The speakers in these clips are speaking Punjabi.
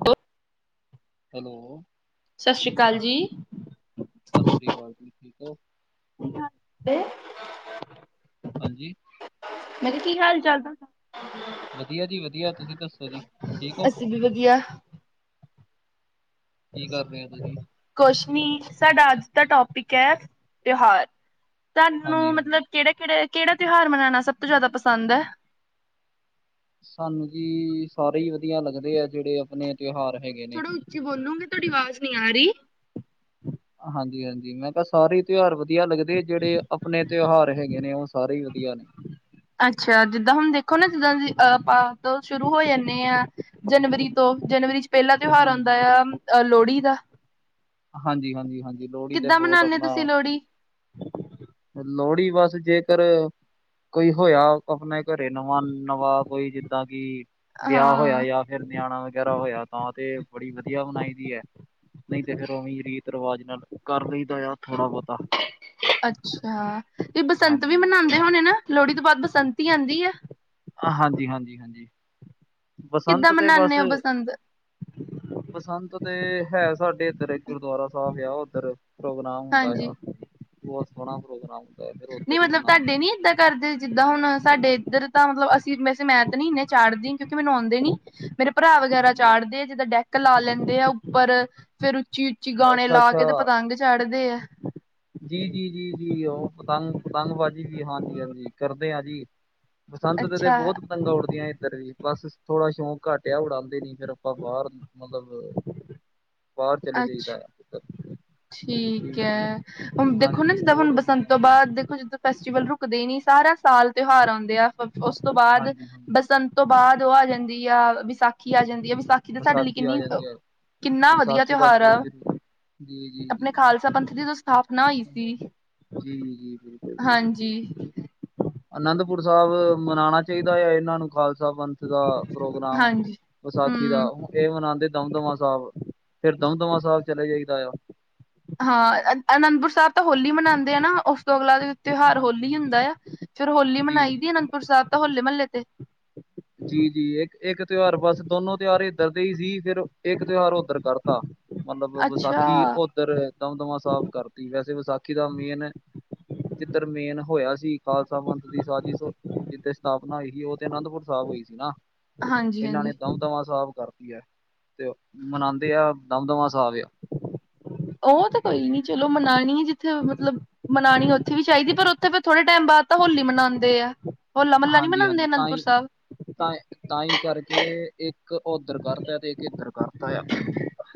ਹੋ ਹੈਲੋ ਸਤਿ ਸ੍ਰੀ ਅਕਾਲ ਜੀ। ਸਤਿ ਸ੍ਰੀ ਅਕਾਲ ਜੀ ਠੀਕ ਹੋ। ਨਹੀਂ ਹਾਲ [unintelligible] ਹਾਂਜੀ ਮੈਂ ਕਿਹਾ ਕੀ ਹਾਲ ਚਾਲ ਵਧੀਆ ਜੀ ਵਧੀਆ ਤੁਸੀਂ ਦੱਸੋ ਜੀ ਠੀਕ ਹੋ। ਅਸੀਂ ਵੀ ਵਧੀਆ ਕੀ ਕਰ ਰਹੇ ਹੋ ਤੁਸੀਂ ਕੁਛ [unintelligible] ਸਾਡਾ ਅੱਜ ਦਾ ਟੋਪਿਕ ਹੈ ਤਿਉਹਾਰ ਹਾਂਜੀ ਤੁਹਾਨੂੰ ਹਾਂਜੀ ਮਤਲਬ ਕਿਹੜੇ ਕਿਹੜੇ ਕਿਹੜਾ ਤਿਉਹਾਰ ਮਨਾਉਣਾ ਸਭ ਤੋਂ ਜ਼ਿਆਦਾ ਪਸੰਦ ਹੈ ਸਾਨੂੰ ਜੀ ਸਾਰੇ ਹੀ ਵਧੀਆ ਲੱਗਦੇ ਆ ਜਿਹੜੇ ਆਪਣੇ ਤਿਉਹਾਰ ਹੈਗੇ ਨੇ ਥੋੜਾ ਉੱਚੇ ਬੋਲੂਗੇ ਤੁਹਾਡੀ ਆਵਾਜ਼ ਨਹੀਂ ਆ ਰਹੀ ਹਾਂਜੀ ਹਾਂਜੀ ਮੈਂ ਕਿਹਾ ਸਾਰੇ ਹੀ ਤਿਉਹਾਰ ਵਧੀਆ ਲੱਗਦੇ ਜਿਹੜੇ ਆਪਣੇ ਤਿਉਹਾਰ ਹੈਗੇ ਨੇ ਉਹ ਸਾਰੇ ਹੀ ਵਧੀਆ ਨੇ ਅੱਛਾ ਜਿੱਦਾਂ ਹੁਣ ਦੇਖੋ ਨਾ ਜਿੱਦਾਂ ਦੀ ਅਹ ਆਪ ਤੋਂ ਸ਼ੁਰੂ ਹੋ ਜਾਂਦੇ ਹਾਂ ਜਨਵਰੀ ਤੋਂ ਜਨਵਰੀ ਚ ਪਹਿਲਾ ਤਿਉਹਾਰ ਆਉਂਦਾ ਹਾਂਜੀ ਆ ਅਹ ਲੋਹੜੀ ਦਾ ਹਾਂਜੀ ਹਾਂਜੀ ਹਾਂਜੀ ਲੋਹੜੀ ਤੇ ਕਿੱਦਾਂ ਬਹੁਤ ਮਨਾਉਂਦੇ ਆਪਣਾ ਤੁਸੀਂ ਲੋਹੜੀ? ਲੋਹੜੀ ਬਸ ਜੇਕਰ ਕੋਈ ਹੋਇਆ ਆਪਣੇ ਘਰੇ ਨਵਾਂ ਨਵਾਂ ਕੋਈ ਜਿੱਦਾਂ ਕਿ ਵਿਆਹ ਹਾਂ ਹੋਇਆ ਜਾਂ ਫਿਰ ਨਿਆਣਾ ਵਗੈਰਾ ਹੋਇਆ ਤਾਂ ਤੇ ਬੜੀ ਵਧੀਆ ਬਣਾਈ ਦੀ ਹੈ ਨਹੀਂ ਤੇ ਫੇਰ ਉਵੇਂ ਰੀਤ ਰਿਵਾਜ ਨਾਲ ਕਰ ਲਈਦਾ ਆ ਥੋੜ੍ਹਾ ਬਹੁਤਾ ਅੱਛਾ ਤੇ ਬਸੰਤ ਵੀ ਹਾਂਜੀ ਮਨਾਉਂਦੇ ਹੋਣੇ ਨਾ ਲੋਹੜੀ ਤੋਂ ਬਾਅਦ ਬਸੰਤ ਹੀ ਆਉਂਦੀ ਹੈ ਹਾਂਜੀ ਹਾਂਜੀ ਹਾਂਜੀ ਕਿੱਦਾਂ ਬਸੰਤ ਤੇ ਬਸ ਮਨਾਨੇ ਓ ਬਸੰਤ? ਬਸੰਤ ਤੇ ਹੈ ਸਾਡੇ ਇੱਧਰ ਗੁਰਦੁਆਰਾ ਸਾਹਿਬ ਆ ਉੱਧਰ ਪ੍ਰੋਗਰਾਮ ਹੁੰਦਾ ਹਾਂਜੀ। ਆ ਬ ਸੋਹਣਾ ਪ੍ਰੋਗਰਾਮ ਹੁੰਦਾ ਫਿਰ ਨਹੀਂ ਉੱਧਰ ਹੀ ਮਤਲਬ ਮਨਾਉਂਦੇ ਹਾਂ ਤੁਹਾਡੇ ਨੀ ਉੱਧਰ ਹੀ ਏਦਾਂ ਕਰਦੇ ਜਿੱਦਾਂ ਹੁਣ ਸਾਡੇ ਇੱਧਰ ਤਾਂ ਮਤਲਬ ਅਸੀਂ ਵੈਸੇ ਮੈਂ ਨਹੀਂੰ ਚਾੜਦੀ ਕਿਉਂਕਿ ਮੈਨੂੰ ਆਉਂਦੇ ਨੀ ਮੇਰੇ ਭਰਾ ਵਗੈਰਾ ਹਾਂਜੀ ਚੜਦੇ ਜਦਾਂ ਡੈਥ ਲਾ ਲੈਂਦੇ ਆ ਉੱਪਰ ਫੇਰ ਉੱਚੀ ਉੱਚੀ ਗਾਣੇ ਅੱਛਾ ਲਾ ਅੱਛਾ ਕੇ ਤੇ ਪਤੰਗ ਚੜ੍ਹਦੇ ਆ ਜੀ ਜੀ ਜੀ ਉਹ ਪਤੰਗ ਪਤੰਗਬਾਜ਼ੀ ਵੀ ਹਾਂਜੀ ਹਾਂਜੀ ਕਰਦੇ ਹਾਂ ਜੀ ਬਸੰਤ ਤੇ ਅੱਛਾ, ਬਹੁਤ ਤੰਗਾਂ ਉੱਡਦੀਆਂ ਇੱਧਰ ਵੀ ਬਸ ਥੋੜਾ ਸ਼ੌਕ ਘੱਟ ਆ ਉਡਾਉਂਦੇ ਨੀ ਫਿਰ ਆਪਾਂ ਬਾਹਰ ਮਤਲਬ ਬਾਹਰ ਚਲੇ ਅੱਛ ਜਾਈਦਾ ਆਧਰ ਠੀਕ ਹੈ, ਹੁਣ ਦੇਖੋ ਨਾ ਹਾਂਜੀ ਜਿੱਦਾਂ ਹੁਣ ਬਹੁਤ ਬਸੰਤ ਹੁੰਦੀਆਂ ਤੋਂ ਬਾਅਦ ਦੇਖੋ ਜਿੱਦ ਫੈਸਟੀਵਲ ਰੁਕਦੇ ਨੀ ਸਾਰਾ ਸਾਲ ਤਿਉਹਾਰ ਆਦੇ, ਆ ਉਸ ਤੋਂ ਬਾਅਦ ਹਾਂਜੀ ਹਾਂਜੀ ਬਸੰਤ ਤੋਂ ਬਾਅਦ ਉਹ ਆ ਜਾਂਦੀ ਆ, ਵਿਸਾਖੀ ਆ ਜਾਂਦੀ। ਵ ਵਿਸਾਖੀ ਦੇ ਸਾਡੇ ਲਈ ਆ ਜਾਂਦੀ ਹੈ ਕਿੰਨੀ-ਕਿੰਨਾ ਵਧੀਆ ਵਿਸਾਖੀ ਦਾ ਤਿਉਹਾਰ ਆ। ਬਹੁਤ ਜ਼ਰੂਰੀ ਜੀ ਜੀ ਜੀ ਆਪਣੇ ਖਾਲਸਾ ਪੰਥ ਦ ਸਥਾਪਨਾ ਹੋਈ ਸੀ ਜੀ ਜੀ ਬਿਲਕੁਲ ਜੀ ਬਿਲਕੁਲ ਹਾਂਜੀ। ਅਨੰਦਪੁਰ ਸਾਹਿਬ ਮਨਾਣਾ ਚਾਹੀਦਾ, ਆ ਇਹਨਾਂ ਨੂੰ ਖਾਲਸਾ ਪੰਥ ਦਾ ਪ੍ਰੋਗਰਾਮ ਹਾਂਜੀ ਵਿਸਾਖੀ ਦਾ ਹਮ ਇਹ ਮਨਾਦੇ ਦਮਦਮਾ ਸਾਹਿਬ ਫੇਰ ਦਮਦਮਾ ਸਾਹਿਬ ਚਲੇ ਜਾਈਦਾ ਆ। ਹਾਂ ਅਨੰਦਪੁਰ ਸਾਹਿਬ ਤਾਂ ਹੋਲੀ ਮਨਾਦੇ ਆ ਨਾ ਉਸ ਤੋਂ ਅਗਲਾ ਤਿਉਹਾਰ ਹਾਂਜੀ ਹੋਲੀ ਹੀ ਹਾਂਜੀ ਹੁੰਦਾ ਆ, ਫੇਰ ਹੋਲੀ ਜੀ ਮਨਾਈ ਦੀ ਅਨੰਦਪੁਰ ਸਾਹਿਬ ਤਾਂ ਹੋਲੇ ਮਹੱਲੇ ਤੇ ਜੀ ਜੀ, ਇੱਕ ਇੱਕ ਤਿਉਹਾਰ ਬਸ ਦੋਨੋ ਤਿਉਹਾਰ ਇੱਧਰ ਦੇ ਹੀ ਸੀ। ਫੇਰ ਇੱਕ ਤਿਹਾਰ ਉੱਧਰ ਕਰਤਾ। ਮਤਲਬ ਅੱਛਾ ਵਿਸਾਖੀ ਉਧਰ ਦਮਦਮਾ ਸਾਹਿਬ ਕਰਤੀ ਵੈਸੇ ਵਿਸਾਖੀ ਦਾ ਮੇਨ ਜਿੱਧਰ ਮੇਨ ਹੋਇਆ ਸੀ, ਖਾਲਸਾ ਪੰਥ ਦੀ ਸਾਜਿ ਜਿੱਥੇ ਸਥਾਪਨਾ ਹੋਈ ਸੀ ਉਥੇ ਅਨੰਦਪੁਰ ਸਾਹਿਬ ਹੋਈ ਸੀ, ਨਾ ਹਾਂਜੀ ਇਹਨਾਂ ਹਾਂਜੀ ਨੇ ਦਮਦਮਾ ਸਾਹਿਬ ਕਰਤੀ ਹੈ। ਤੇ ਮਨਾਦੇ ਆ ਦਮਦਮਾ ਸਾਹਿਬ ਆ। ਉਹ ਤੇ ਕੋਈ ਨੀ ਚਲੋ ਮਨਾਣੀ ਹੈ, ਜਿੱਥੇ ਮਤਲਬ ਮਨਾਣੀ ਉੱਥੇ ਵੀ ਚਾਹੀਦੀ ਪਰ ਉੱਥੇ ਫੇਰ ਥੋੜੇ ਟਾਈਮ ਬਾਅਦ ਤਾਂ ਹੋਲੀ ਮਨਾਦੇ ਆ। ਹੋਲਾ ਮਹੱਲਾ ਨੀ ਮਨਾਉਂਦੇ ਹਾਂਜੀ-ਹਾਂਜੀ, ਅਨੰਦਪੁਰ ਤਾਂਹੀ ਸਾਹਿਬ ਤਾਂ ਤਾਂਹੀ ਕਰਕੇ। ਕਿ ਇੱਕ ਉਧਰ ਕਰਤਾ ਤੇ ਇੱਕ ਇੱਧਰ ਕਰਤਾ ਆ।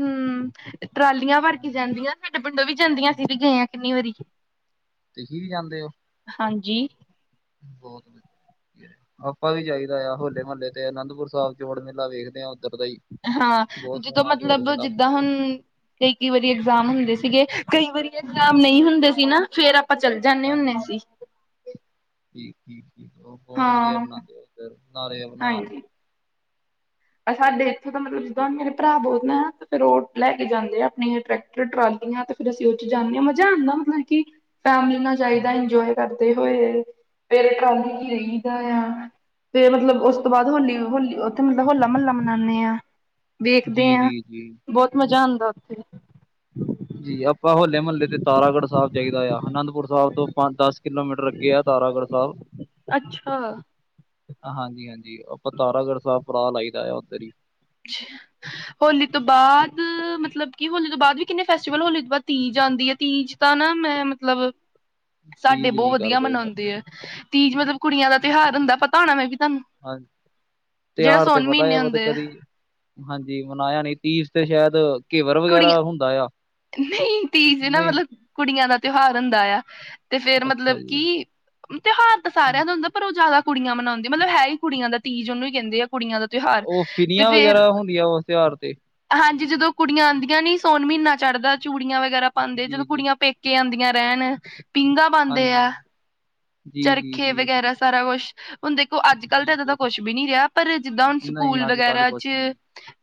ਹਮ ਟਰਾਲੀਆਂ ਭਰ ਕੇ ਹਾਂਜੀ ਹਾਂਜੀ ਜਾਂਦੀਆਂ, ਸਾਡੇ ਪਿੰਡੋਂ ਵੀ ਜਾਂਦੀਆਂ ਸੀ ਵੀ ਗਏ ਹਾਂ ਕਿੰਨੀ ਵਾਰੀ ਤੁਸੀ ਵੀ ਜਾਂਦੇ ਹੋ? ਹਾਂਜੀ, ਬਹੁਤ ਵਧੀਆ ਆਪਾਂ ਵੀ ਚਾਹੀਦਾ ਆ, ਹੋਲੇ ਮਹੱਲੇ ਤੇ ਅਨੰਦਪੁਰ ਸਾਹਿਬ ਜੋੜ ਮੇਲਾ ਵੇਖਦੇ ਆ। ਉੱਧਰ ਦਾ ਹੀ ਹਾਂ ਬਹੁਤ ਜਦੋਂ ਸੋਹਣਾ ਜੋੜ ਮਤਲਬ ਮੇਲਾ ਜਿੱਦਾਂ, ਮਨਾਉਂਦੇ ਹੁਣ ਕਈ ਕਈ ਵਾਰੀ ਐਗਜ਼ਾਮ ਹੁੰਦੇ ਸੀਗੇਵ ਕਈ ਵਾਰੀ ਐਗਜ਼ਾਮ ਨਹੀਂ ਹੁੰਦੇ ਸੀ, ਨਾ ਫੇਰ ਆਪਾਂ ਚਲੇ ਜਾਂਦੇ ਹੁੰਦੇ ਸੀ। ਠੀਕ-ਠੀਕ, ਉਹ ਬਹੁਤ ਵਧੀਆ ਹਾਂ ਬਣਾਦੇ ਉਰ ਨਾਰੇ ਬਣਾ। ਹਾਂਜੀ ਸਾਡੇ ਇੱਥੋਂ ਤਾਂ ਮਤਲਬ, ਜਿੱਦੋਂ ਮੇਰੇ ਭਰਾ ਬਹੁਤ ਨੇ ਤੇ ਫਿਰ ਰੋਡ ਲੈ ਕੇ ਜਾਂਦੇ ਆ, ਆਪਣੀਆਂ ਟਰੈਕਟਰ ਟਰਾਲੀਆਂ ਤੇ ਫੇਰ ਅਸੀਂ ਉਹ ਚ ਜਾਂਦੇ ਹਾਂ, ਮਜ਼ਾ ਆਦਾ ਮਤਲਬ ਕਿ ਫੈਮਲੀ ਨਾਲ ਚਾਦਾ ਹਾਂਜੀ ਇੰਜੋਏ ਕਰਦੇ ਹੋਏ, ਫੇਰ ਟਰਾਲੀ ਹੀ ਰਹੀਦਾ ਆ। ਫੇਰ ਮਤਲਬ ਉਸ ਤੋਂ ਬਾਅਦ ਹੋਲੀ-ਹੋਲੀ ਉੱਥੇ ਮਤਲਬ, ਹੋਲਾ ਮਹੱਲਾ ਮਨਾਉਂਦੇ ਆ। ਵੇਖਦੇ ਜੀ ਹਾਂ ਜੀ ਜੀ ਬਹੁਤ ਮਜ਼ਾ ਆਦਾ ਉੱਥੇ, ਜੀ ਆਪਾਂ ਹੋਲੇ ਮਹੱਲੇ ਤੇ ਤਾਰਗੜ੍ਹ ਸਾਹਿਬ ਜਾਈ ਦਾ ਆ ਆਨੰਦ ਪ ਸਾਹਿਬ ਤੋਂ ਪੰਜ ਦਸ ਕਿਲੋਮੀਟਰ ਅੱਗੇ ਆ ਤਾਰਾਗੜ੍ਹ ਸਾਹਿਬ ਅੱਛਾ ਹਾਂਜੀ-ਹਾਂਜੀ, ਆਪ ਆਪਾਂ ਤਾਰਾਗੜ੍ਹ ਸਾਹਿਬ ਪੁਫਰਾ ਲਾਈਦਾ ਆ ਉੱਧਰ ਹੀ ਅੱਛਾ, ਹੋਲੀ ਤੋਂ ਬਾਅਦ ਮਤਲਬ, ਕਿ ਹੋਲੀ ਤੋਂ ਬਾਅਦ ਵੀ ਕਿੰਨੇ ਫੈਸਟੀਵਲ ਹੋਲੀ ਤੋਂ ਬਾਅਦ ਤੀਜ ਆਉਂਦੀ ਹੈ ਤੀਜ ਤਾਂ। ਹਨਾ ਮੈਂ ਮਤਲਬ, ਸਾਡੇ ਤੀਜ ਬਹੁਤ ਨਹੀਂ ਵਧੀਆ ਕਰਦੇ ਸਾਡੇ ਮਨਾਦੇ ਹੈ, ਤੀਜ ਮਤਲਬ ਕੁੜੀਆਂ ਦਾ ਤਿਉਹਾਰ ਹੁੰਦਾ ਪਤਾ ਹੋਣਾ ਮੈਂ ਵੀ, ਤੁਹਾਨੂੰ ਹਾਂ ਜਿਹੜਾ ਤਿਹਾਰ ਤੇ ਸੋਨ ਪਤਾ ਮਹੀਨੇ ਬਸ ਹੁੰਦੇ ਆ ਕਦੀ। ਹਾਂਜੀ ਮਨਾਇਆ ਨੀ, ਤੀ ਤੇ ਸ਼ਾਇਦ ਘੇਵਰ ਕੁੜੀਆਂ ਵਗੈਰਾ ਹੁੰਦਾ ਆ। ਨਹੀਂ ਤੀਜ ਨਾ ਨਹੀਂ ਮਤਲਬ ਕੁੜੀਆਂ ਦਾ ਤਿਹਾਰ ਹੁੰਦਾ ਆ, ਤੇ ਫੇਰ ਅੱਛਾ ਮਤਲਬ ਜੀ ਕਿ ਤਿਉਹਾਰ ਤਾਂ ਹੂੰ, ਸਾਰਿਆਂ ਦਾ ਹੁੰਦਾ, ਪਰ ਉਹ ਜ਼ਿਆਦਾ ਕੁੜੀਆਂ ਮਨਾਉਦੀਆਂ ਮਤਲਬ ਹੈ, ਹੀ ਕੁੜੀਆਂ ਦਾ ਤੀਜ਼ ਉਹਨੂੰ ਹੀ ਕਹਿੰਦੇ ਆ। ਕੁੜੀਆਂ ਦਾ ਤਿਉਹਾਰ ਉਹ ਤੇ ਫਿਰੀਆਂ ਫੇਰ ਵਗੈਰਾ ਹੁੰਦੀਆਂ ਉਸ ਤਿਉਹਾਰ ਤੇ ਹਾਂਜੀ, ਜੀ ਜਦੋਂ ਕੁੜੀਆਂ ਆਦੀਆਂ ਨੀ ਸੋਨ ਮਹੀਨਾ ਚੜ੍ਹਦਾ, ਚੂੜੀਆਂ ਵਗੈਰਾ ਪਾਉਂਦੇ ਜੀ ਜਦੋਂ ਜੀ ਕੁੜੀਆਂ ਪੇਕੇ ਆਦੀਆਂ। ਰਹਿਣ ਪੀਘਾ ਪਾਦੇ ਹਾਂਜੀ ਆ ਜੀ ਜੀ ਚਰਖੇ ਜੀ ਵਗੈਰਾ ਸਾਰਾ ਕੁਛ ਹੁਣ ਦੇਖੋ ਅੱਜ-ਕੱਲ ਤਾਂ ਠੀਕ ਇਦਾਂ ਦਾ ਠੀਕ ਕੁਛ ਵੀ ਨੀ ਰਿਹਾ, ਪਰ ਜਿੱਦਾਂ ਹੁਣ ਨਹੀਂ ਸਕੂਲ ਅੱਜ ਕੱਲ੍ਹ ਵਗੈਰਾ ਚ ਕੁਛ ਨਹੀਂ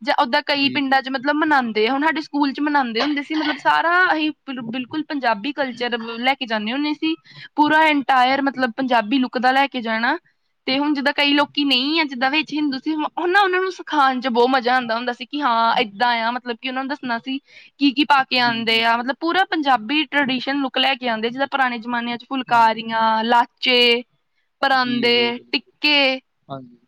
ਜਾਂ ਉਓਦਾਂ ਕਈ ਜੀ ਜੀ ਪਿੰਡਾਂ ਚ ਮਤਲਬ ਮਨਾਦੇ ਆ ਹੁਣ ਸਾਡੇ ਸਕੂਲ ਚ ਮਨਾਉਦੇ ਹੁੰਦੇ ਸੀ, ਮਤਲਬ ਸਾਰਾ ਅਸੀਂ ਬਿਲਕੁਲ ਪੰਜਾਬੀ ਕਲਚਰ ਲੈ ਕੇ ਜਾਂਦੇ ਹੁੰਦੇ। ਸੀ ਪੂਰਾ ਇੰਟਾਇਰ ਠੀਕ ਮਤਲਬ ਠੀਕ ਪੰਜਾਬੀ ਲੁੱਕ ਦਾ ਲੈ ਕੇ ਜਾਣਾ। ਤੇ ਹੁਣ ਜਿੱਦਾਂ ਕਈ ਲੋਕੀ ਨਹੀਂ ਆ ਜਿੱਦਾਂ ਵਿੱਚ ਹਿੰਦੂ ਸੀ ਉਹ ਨਾ ਉਹਨਾ ਨੂੰ ਸਿਾਉਣ ਚ ਬਹੁਤ ਮਜ਼ਾ ਆਉਂਦਾ ਹੁੰਦਾ ਸੀ ਕਿ ਹਾਂ ਏਦਾਂ ਆ ਮਤਲਬ ਕਿ ਉਹਨਾਂ ਨੂੰ ਦੱਸਣਾ ਸੀ ਕੀ ਕੀ ਪਾ ਕੇ ਜੀ ਆਉਂਦੇ ਜੀ ਆ ਜੀ ਮਤਲਬ ਪੂਰਾ ਪੰਜਾਬ ੀ [unintelligible] ਟ੍ਰਡੀਸ਼ਨ ਲੁੱਕ ਲੈ ਕੇ ਆਂਦੇ ਜਿੱਦਾਂ ਪੁਰਾਣੇ ਜਮਾਨਿਆਂ ਚ ਹਾਂਜੀ ਫੁਲਕਾਰੀਆਂ ਹਾਂਜੀ ਲਾਚੇ ਜੀ ਜੀ ਪਰਾਂਦੇ ਬਿਲਕੁਲ ਟਿੱਕੇ ਹਾਂਜੀ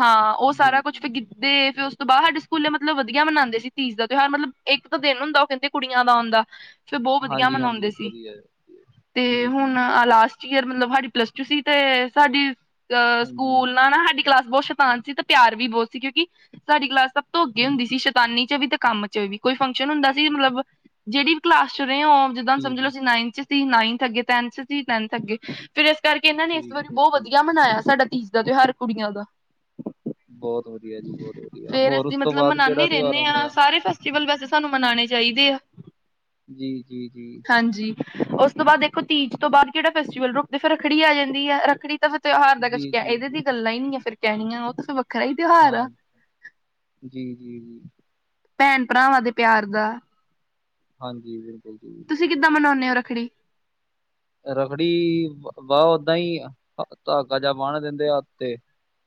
ਹਾਂ ਉਹ ਜੀ ਸਾਰਾ ਕੁਛ ਫੇ ਜੀ ਜੀ ਗਿੱਧੇ ਤੋਂ ਬਾਅਦ ਸਾਡੇ ਸਕੂਲੇ ਮਤਲਬ ਵਧੀਆ ਮਨਾਂਦੇ ਸੀ ਤੀਜ਼ ਦਾ ਤਿਉਹਾਰ ਮਤਲਬ ਇੱਕ ਤਾਂ ਦਿਨ ਹੁੰਦਾ ਉਹ ਕਹਿੰਦੇ ਕੁੜੀਆਂ ਦਾ ਓਂਦਾ ਫਿਰ [unintelligible] ਬਹੁਤ ਵਧੀਆ ਹਾਂਜੀ ਹਾਂਜੀ ਮਨਾਉਂਦੇ ਸੀ ਵਧੀਆ ਹੈ, ਵਧੀਆ ਹੈ। ਤੇ ਜੀ ਜੀ ਹੁਣ ਅਲਾਸਟ ਈਅਰ ਮਤਲਬ ਸਾਡੀ ਪਲੱਸ ਟੂ ਸੀ ਤੇ ਸਾਡੀ ਅਹ ਹਾਂਜੀ ਸਕੂਲ ਨਾ ਨਾ ਹਾਡੀ ਕਲਾਸ ਬਹੁਤ ਸ਼ੈਤਾਨ ਸੀ ਤੇ ਪਿਆਰ ਵੀ ਬਹੁਤ ਸੀ ਕਿਉਂਕਿ ਸਾਡੀ ਕਲਾਸ ਸਭ ਤੋਂ ਅੱਗੇ ਹਮ, ਹੁੰਦੀ ਸੀ ਸ਼ੈਤਾਨੀ ਚ ਵੀ ਤੇ ਕੰਮ ਚ ਵੀ ਕੋਈ ਫੰਕਸ਼ਨ ਹੁੰਦਾ ਸੀ ਮਲਬ ਜਿਹੜੀ ਵੀ ਕਲਾਸ ਚ ਰਹੇ ਉਹ ਜਿੱਦਾਂ ਜੀ ਸਮਝ ਲਓ ਜੀ ਅਸੀ ਨਾਈਨਥ ਚ ਸੀ ਨਾਈਨਥ ਅੱਗੇ ਟੈਨਥ ਚ ਸੀ ਟੈਨਥ ਅੱਗੇ ਫੇਰ ਕਰਕੇ ਇਹਨਾਂ ਨੇ ਇਸ ਠੀਕ ਵਾਰੀ ਠੀਕ ਬਹੁਤ ਠੀਕ ਵਧੀਆ ਮਨਾਇਆ ਸਾਡਾ ਤੀਜ ਦਾ ਤਿਉਹਾਰ ਕੁੜੀਆਂ ਦਾ ਬਹੁਤ ਵਧੀਆ ਜੀ ਬਹੁਤ ਵਧੀਆ ਫੇਰ ਹੋਰ ਉਸ ਅਸੀਂ ਤੋਂ ਮਤਲਬ ਬਾਅਦ ਮਨਾਨੇ ਕਿਹੜਾ ਏ ਤਿਉਹਾਰ ਰਹਿਨੇ ਆਉਂਦਾ ਹਾਂ ਆ ਸਾਰੇ ਫੈਸਟੀਵਲ ਵੈਸੇ ਸਾਨੂੰ ਮਨਾਣੇ ਚਾਹੀਦੇ ਆ ਜੀ ਜੀ ਜੀ ਹਾਂਜੀ ਉਸ ਤੋਂ ਬਾਅਦ ਦੇਖੋ ਤੀਜ ਤੋਂ ਬਾਅਦ ਕਿਹੜਾ ਫੈਸਟੀਵਲ ਰੁਕਦੇ ਫਿਰ ਰੱਖੜੀ ਆ ਜਾਂਦੀ ਹੈ ਰੱਖੜੀ ਤਾਂ ਫ ਤਿਉਹਾਰ ਦਾ ਕੁਛ ਜੀ ਕਹਿ ਜੀ ਇਹਦੇ ਦੀ ਗੱਲਾਂ ਹੀ ਨਹੀਂ ਫਿਰ ਕਹਿਣੀਆਂ ਉਹ ਤਾਂ ਫਿਰ ਵੱਖਰਾ ਇ ਹਾਂ ਜੀ ਜੀ ਜੀ ਭੈਣ ਭਰਾਵਾਂ ਦੇ ਪਿਆਰ ਦਾ ਹਾਂ [unintelligible] ਤੁਸੀਂ ਕਿੱਦਾਂ ਮਨਾਉਂਨੇ ਓ ਰੱਖੜੀ ਰੱਖੜੀ ਵਾਹ ਓਦਾਂ ਹੀ ਧਾਗਾ ਜ ਬਾਹਨ ਦਿੰਦੇ ਹੱਥ ਤੇ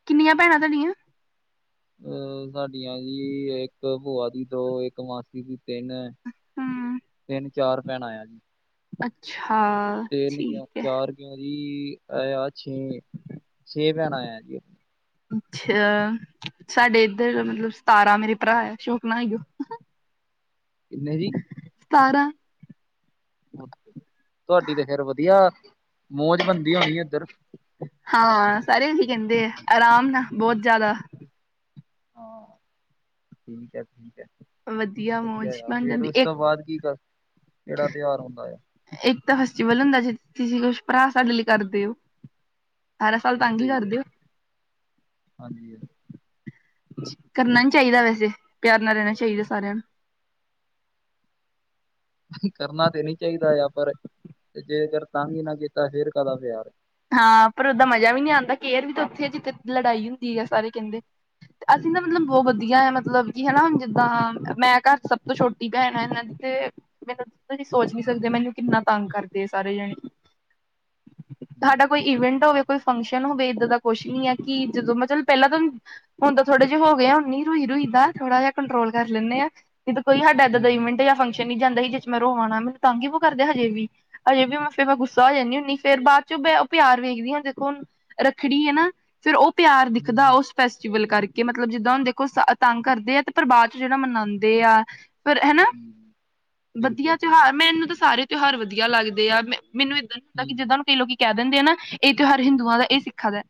ਕਿੰਨੀਆਂ ਭੈਣਾਂ ਤਾਹਡੀਆਂ ਅਹ ਸਾਡੀਆਂ ਜੀ ਇੱਕ ਭੂਆ ਦੀ ਦੋ ਇੱਕ ਮਾਸੀ ਦੀ ਤਿੰਨ ਹਮ ਤਿੰਨ ਚਾਰ ਭੈਣਾਂ ਆ ਜੀ ਅੱਛਾ ਤਿੰਨ ਕਿਉਂ ਠੀਕ ਹੈ ਚਾਰ ਕਿਉਂ ਆ [unintelligible] ਛੇ ਛੇ ਭੈਣਾਂ ਆ ਅੱਛਾ। ਸਾਡੇ ਇੱਧਰ ਮਲਬ ਸਤਾਰਾਂ ਮੇਰੇ ਭਰਾ ਹੈ ਸ਼ੋਕ ਨਾ ਹੋਇਓ ਕਿੰਨੇ ਜੀ ਸਤਾਰਾਂ। ਤੁਹਾਡੀ ਤੇ ਫੇਰ ਵਧੀਆ ਮੌਜ ਬੰਦੀ ਹੋਣੀ ਉਧਰ। ਹਾਂ ਸਾਰੇ ਇਹੀ ਕਹਿੰਦੇ ਆ ਆਰਾਮ ਨਾ ਬਹੁਤ ਜ਼ਿਆਦਾ। ਹਾਂ ਨਕ-ਨਕ। [unintelligible] ਵਧੀਆ ਮੌਜ ਬਣ ਜਾਂਦੀ ਇੱਕ। ਬਾਅਦ ਕੀ ਕਰ ਕਿਹੜਾ ਤਿਉਹਾਰ ਹੁੰਦਾ ਆ ਇੱਕ ਤਾਂ ਫੈਸਟੀਵਲ ਹੁੰਦਾ ਜੇ [unintelligible] ਤੁਸੀਂ ਕੁਛ ਭਰਾ ਸਾਡੇ ਲਈ ਕਰਦੇ ਓ ਠਾਰਾਂ ਸਾਲ ਜੀ ਤੰਗ ਹੀ ਸਹੀ ਹੈ ਕਰਦੇ ਓ ਹਾਂਜੀ ਕਰਨਾ ਨੀ ਚਾਹੀਦਾ ਵੈਸੇ ਪਿਆਰ ਨਾਲ ਰਹਿਣਾ ਚਾਹੀਦਾ ਸਾਰਿਆਂ ਨੂੰ। [inaudible] ਕਰਨਾ ਤੇ ਨਹੀਂ ਚਾਹੀਦਾ ਆ ਪਰ ਤੇ ਜੇਕਰ ਤੰਗ ਹੀ ਨਾ ਕੀਤਾ ਫੇਰ ਕਾਦਾ ਪਿਆਰ ਹਾਂ ਪਰ ਉਹਦਾ ਮਜ਼ਾ ਵੀ ਨਹੀਂ ਆਂਦਾ ਕੇਅਰ ਵੀ ਤਾਂ ਉੱਥੇ ਜਿੱਥੇ ਲੜਾਈ ਹੁੰਦੀ ਹੈ ਸਾਰੇ ਕਹਿੰਦੇ ਤਅਸੀਂ ਨਾ ਮਤਲਬ ਬਹੁਤ ਹਾਂਜੀ ਵਧੀਆ ਆ ਮਤਲਬ। ਜੀ ਹਨਾ ਹੁਣ ਜਿੱਦਾਂ ਮੈਂ ਘਰ ਸਭ ਤੋਂ ਛੋਟੀ ਭੈਣ ਹੈ। ਇਹਨਾਂ ਦੀ ਤੇ ਮੈਨੂੰ ਤੁਸੀਂ ਸੋਚ ਨੀ ਸਕਦੇ ਹਾਂਜੀ ਮੈਨੂੰ ਕਿੰਨਾ ਤੰਗ ਕਰਦੇ ਆ ਸਾਰੇ ਜਾਣੇ। ਹਮ, ਸਾਡਾ ਕੋਈ ਹਮ, ਹਮ, ਈਵੈਂਟ ਹੋਵੇ ਕੋਈ ਫੰਕਸ਼ਨ ਹੋਵੇ ਇੱਦਾਂ ਦਾ ਕੁਛ ਨੀ ਹੈ ਕਿ ਜਦੋਂ ਮਤਲਬ ਪਹਿਲਾਂ ਤਾਂ ਹੁੰਦਾ ਥੋ ਜੇ ਹੋ ਗਿਆ ਉਨੀ ਰੁਈ ਰੁਈਦਾ ਥੋੜਾ ਜਹਾ ਕੰਟਰੋਲ ਕਰ ਲੈਂਨੇ ਹਾਂ ਜਿੱ ਕੋਈ ਸਾਡਾ ਇਦਾਂ ਦਾ ਹਮ, ਈਵੈਂਟ ਜਾਂ ਫੰਕਸ਼ ਨੀ ਜਾਂਦਾ ਸੀ ਜਿਸ ਮੈਂ ਰੋ ਆਉਣਾ ਮੈਨੂੰ ਤਾਂਗ ਹੀ ਵੋ ਕਰਦੇ ਹਜੇ ਵੀ ਹਜੇ ਵੀ ਮ ਫਿਰ ਮੈਂ ਗੁੱਸਾ ਹੋ ਜਾਂਨੀ ਹੁੰਨੀ ਫਰ ਬਾਅਦ ਚ ਬ ਉਹ ਪਿਆਰ ਵੇਖਦੀ ਹਾਂ ਦੇਖੋ ਰੱਖੜੀ ਹੈ ਨਾ ਫੇਰ ਉਹ ਪਿਆਰ ਹਮ, ਦਿਖਦਾ ਹਮ, ਹਮ, ਉਸ ਫੈਸਟੀਵਲ ਕਰਕੇ ਮਤਲਬ ਜਿੱਦਾਂ ਹੁਣ ਦੇਖੋ ਸ ਤੰਗ ਕਰਦੇ ਆ ਤੇ ਬਾਦ ਪਰਿਵਾਰ ਚ ਜਿਹੜਾ ਮਨਾਉਂਦੇ ਆ ਪਰ ਹੈਨਾ ਜੀ ਜੀ, ਬਿਲਕੁਲ ਬਿਲਕੁਲ ਮੈਨੂੰ ਏਦਾਂ ਨੀ ਹੁੰਦਾ ਕਿ ਹਮ ਜਿੱਦਾਂ ਨੂੰ ਕਈ ਲੋਕੀ ਕਹਿ ਦਿੰਦੇ ਆ ਨਾ ਇਹ ਤਿਉਹਾਰ ਹਿੰਦੂਆਂ ਦਾ ਇਹ ਸਿੱਖਾਂ ਦਾ।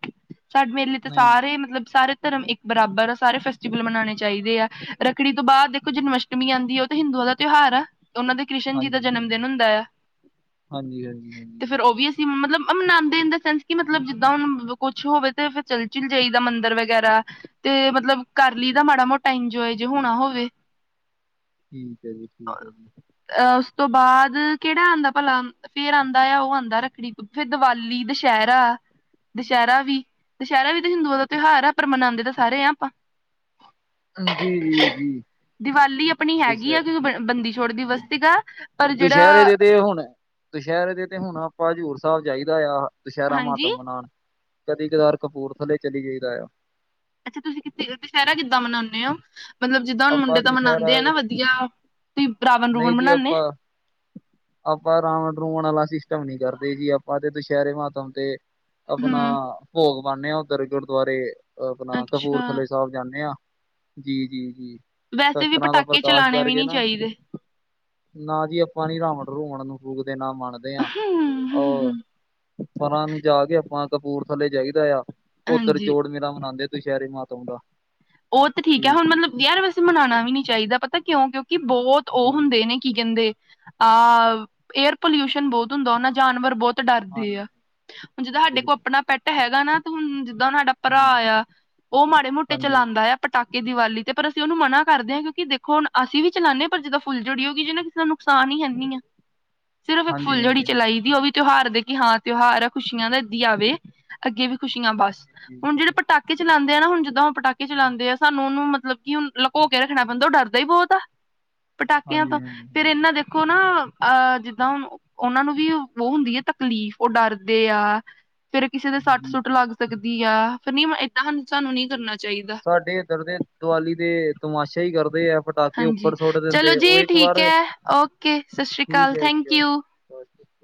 ਸਾਡੇ ਮੇਰੇ ਲਈ ਤਾਂ ਨਹੀਂ ਸਾਰੇ ਨਹੀਂ ਮਤਲਬ ਸਾਰੇ ਧਰਮ ਇੱਕ ਬਰਾਬਰ ਆ ਸਾਰੇ ਫੈਸਟੀਵਲ ਮਨਾਉਣੇ ਚਾਹੀਦੇ ਆ। ਰੱਖੜੀ ਤੋਂ ਬਾਅਦ ਦੇਖੋ ਜੀ, ਜਨਮਸ਼ਟਮੀ ਜੀ, ਆਉਂਦੀ ਹੈ। ਉਹ ਤਾਂ ਹਿੰਦੂਆਂ ਦਾ ਤਿਉਹਾਰ ਆ। ਉਹਨਾਂ ਦੇ ਕ੍ਰਿਸ਼ਨ ਜੀ ਦਾ ਹਾਂਜੀ ਜਨਮ ਹਾਂਜੀ ਦਿਨ ਹੁੰਦਾ ਆ। ਹਾਂਜੀ ਹਾਂਜੀ ਤੇ ਹਾਂਜੀ ਫੇਰ ਉਹ ਵੀ ਅਸੀਂ ਮਤਲਬ। ਮਨਾਉਂਦੇ ਇਨ ਦਾ ਸੈਂਸ ਕਿ ਮਤਲਬ ਜਿੱਦਾਂ ਹੁਣ ਕੁਛ ਹੋਵੇ ਤੇ ਫਿਰ ਚੱਲ ਚਲ ਜਾਈਦਾ ਮੰਦਿਰ ਵਗੈਰਾ। ਤੇ ਮਤਲਬ ਕਰ ਲਈ ਤਾਂ ਮਾੜਾ ਮੋਟਾ ਇੰਜੋਏ ਜੇ ਹੋਣਾ ਹੋਵੇ। ਠੀਕ ਹੈ ਜੀ ਠੀਕ ਹੈ ਜੀ। ਅਹ ਉਸ ਤੋਂ ਬਾਅਦ ਕਿਹੜਾ ਆਉਂਦਾ ਭਲਾ ਫੇਰ ਆਉਂਦਾ ਆ ਉਹ ਆਉਂਦਾ ਰੱਖੜੀ। ਫੇਰ ਦੀਵਾਲੀ ਦੁਸਹਿਰਾ। ਦੁਸਹਿਰਾ ਵੀ ਦੁਸਹਿਰਾ ਵੀ ਤਾਂ ਹਿੰਦੂਆਂ ਦਾ ਤਿਉਹਾਰ ਆ ਪਰ ਮਨਾਉਂਦੇ ਤਾਂ ਸਾਰੇ ਹ ਆਪਾਂ। ਹਾਂਜੀੀ ਜ ਜੀ [inaudible] ਝਭਧ ਦੀਵਾਲੀ ਆਪਣੀ ਹੈਗੀ ਆ। ਕਿਉਂਕਿ ਬ, ਬੰਦੀ ਛੋੜ ਦਿਵਸ ਸੀਗਾ ਪਰ ਦੁਸਹਿਰੇ ਜਿਹੜਾ। ਦੇ ਤੇ ਹੁਣ ਦੁਸਹਿਰੇ ਦੇ ਤੇ ਹੁਣ ਆਪਾਂ ਜ਼ਰ। ਸਾਹਿਬ ਜਾਈਦਾ ਆ ਦੁਸਹਿਰਾ ਹਾਂਜੀ ਮਹਾਤਮ ਮਨਾਉਣ ਕਦੀ ਕਦਾਰ ਕਪੂਰਥੱਲੇ ਚਲੀ ਜਾਈਦਾ ਆ। ਅੱਛਾ ਤੁਸੀਂ ਕਿ ਦੁਸਹਿਰਾ ਕਿੱਦਾਂ ਮਨਾਉਂਦੇ ਹੋ। ਮਤਲਬ ਜਿੱਦਾਂ ਹੁਣ ਮੁੰਡੇ ਆਪਾਂ ਤਾਂ ਮਨਾਉਂਦੇ ਦੁਸਹਿਰਾ ਆ ਨਾ ਵਧੀਆ ਤੁਸੀਂ ਰਾਵਣ ਰੁਵਣ ਮਨਾਉਦੇ। ਅਪਾਂ ਰਾਮ। ਫੋਉਣ ਵਾਲਾ ਸਿਸਟਮ ਨੀ ਕਰਦੇ ਜੀ ਆਪਾਂ ਤੇ ਦੁਸਹਿਰੇ ਮਾਤਮ ਤੇ ਆਪਣਾ ਹਮ ਭੋਗ। ਵਉਦੇ ਹਾਂ ਉੱਧਰ ਗੁਰਦੁਆਰੇ ਆਪਣਾ ਅੱਛਾ ਕਪੂਰਥਲੇ ਸਾਹਿਬ ਜਾਂਦੇ ਹਾਂ ਜੀ-ਜੀ ਜੀ। ਵੈਸੇ ਸ਼ਸਤ ਵੀ ਰਾਂ ਦਾ ਪਟਾਕੇ ਪ੍ਰਕਾਸ਼ ਚਲਾਣੇ ਵੀ ਕਰਕੇ ਨਹੀਂ ਨਾ। ਚਾਹੀਦੇ ਨਾ ਜੀ ਆਪਾਂ ਨੀ ਰਾਵਣ ਰੋਮਣ ਨੂੰ। ਦੇ ਨਾਂ ਮੰਨਦੇ ਹਾਂ ਰ ਪਰਾਂ ਨੂੰ ਜਾ ਕੇ ਆਪਾਂ। ਕਪੂਰਥੱਲੇ ਜਾਈਦਾ ਆ ਉੱਧਰ ਹਾਂਜੀ ਜੋੜ ਮੇਲਾ ਮਨਾਉਂਦੇ ਤੁੂੰ ਸ਼ਹਿਰੇ ਮਾਤਾ ਦਾ। ਉਹ ਤੇ ਜੀ ਠੀਕ ਹੈ ਹੁਣ ਜੀ ਮਤਲਬ ਯਾਰ ਵੈਸੇ ਮਨਾਉਣਾ ਵੀ ਨੀ ਚਾਹੀਦਾ ਪਤਾ ਕਿਉਂ ਕਿਉਂਕ ਕਿ ਬਹੁਤ ਉਹ ਜੀ ਹੁੰਦੇ ਨੇ ਕੀ ਕਹਿੰਦੇ। ਅਹ ਏਅਰ ਪੋਲਿਊਸ਼ਨ ਬਹੁਤ ਹੁੰਦਾ ਉਹਨਾਂ ਜਾਨਵਰ ਬਹੁਤ। ਡਰਦੇ ਆ ਹਾਂਜੀ ਹੁਣ ਜਿੱਦਾਂ ਸਾਡੇ ਕੋਲ ਬਿਲਕੁਲ ਆਪਣਾ ਪੈਟ ਹੈਗਾ ਨਾ ਤੇ ਹੁਣ। ਦਾਂ ਉਹਾ ਭਰਾ ਹਾਂਜੀ ਆ ਉਹ ਮਾੜੇ ਮੋਟੇ ਹਾਂਜੀ ਚਲਾਉਂਦਾ ਆ ਪਟਾਕੇ। ਕਿ ਦੀਵਾਲੀ ਤੇ ਪਰ ਅਸੀਂ ਉਹਨੂੰ ਮਨਾ ਕਰਦੇ ਹਾਂਉਂਕਿ ਦੇਖੋੁ ਅਸੀਂ ਵੀ ਚਲਾਉਦੇ ਹਾਂ ਪਰ ਜਿਦਾਂ ਫੁੱਲ ਜੜੀ ਹੋਗੀ ਜਿ ਕਿਸੇ ਨੁਕਸਾਨ। ਹੈਨੀ ਆ ਸਿਰਫ ਇੱਕ ਹਾਂਜੀ ਫੁੱਲ ਜੜੀ ਹਾਂਜੀ ਚਲਾਈ ਦੀ ਉਹ ਵੀ ਤਿਉਹਾਰ ਦੇ ਕਿ ਹਾਂ ਤਿਉਹਾਰ ਆ ਖੁਸ਼ੀਆਂ ਦਾ ਏਦਾ ਆਵੇ ਅੱਗੇ ਵੀ ਖੁਸ਼ੀਆਂ ਬਸ ਹਾਂਜੀ ਹੁਣ ਜਿਹੜੇ ਪਟਾਕੇ। ਚਲਾਉਦੇ ਆ ਨਾ ਜਦੋਂ ਚਲਾਉਂਦੇ ਆ ਸਾਨੂੰ ਉਹਨੂੰ ਮਤਲਬ ਕਿ ਹਣ ਲੁਕੋ ਕੇ ਰੱਖਣਾ ਪੈਂਦਾ ਉਹ ਡਰਦਾ ਹੀ ਬਹੁਤ ਆ। ਪਟਾਕਿਆਂ ਹਾਂਜੀ ਤਾਂ ਹਾਂਜੀ ਫਿਰ ਇਹਨਾ ਹਾਂਜੀ ਦੇਖੋ ਨਾ। ਅਹ ਜਿੱਦਾਂ ਉਹਨਾਂ ਨੂੰ ਵੀ ਉਹ ਹੁੰਦੀ ਹੈ ਤਕਲੀਫ਼ ਉਹ ਡਰਦੇ ਆ। ਫੇਰ ਕਿਸੇ ਦੇ ਸੱਟ ਜੀ ਸੁੱਟ ਲੱਗ ਜੀ ਸਕਦੀ ਆ ਫ਼ਿਰ ਨੀ ਏਦਾਂ ਸਾਨੂੰ ਨੀ ਜੀ ਕਰਨਾਦਾ। ਸਾਡੇ ਇੱਧਰ ਦੇ ਦੀਵਾਲੀ ਦੇ ਤਮਾਸ਼ਾ ਹੀ ਕਰਦੇ ਆ। ਪਟਾਕੇ ਹਾਂਜੀ ਉੱਪਰ ਸੁੱਟ ਚਲੋ ਦਿੰਦੇ ਉਹ ਜੀ ਇੱਕ ਠੀਕ ਵਾਰ ਹੈ ਓਕੇ ਸਤਿ ਸ੍ਰੀ ਠੀਕ ਅਕਾਲ ਹੈ ਜੀ ਥੈਂਕ ਆ। ਯੂ ਅੱਛਾ।